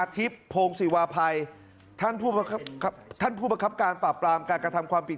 ทิพย์โพงศิวาภัยท่านผู้ประคับการปราบปรามการกระทำความผิด